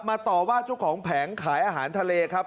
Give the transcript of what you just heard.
ต่อว่าเจ้าของแผงขายอาหารทะเลครับ